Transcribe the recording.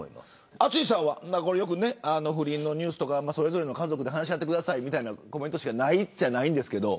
淳さんは不倫のニュースとかそれぞれの家族で話し合ってくださいみたいなコメントしかないっちゃないんですけど。